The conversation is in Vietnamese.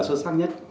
xuất sắc nhất